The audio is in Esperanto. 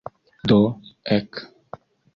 Do, ek.